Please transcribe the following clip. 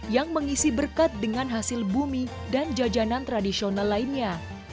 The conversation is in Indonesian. yang mengisi berkat dengan hasil bumi dan jajanan tradisional lainnya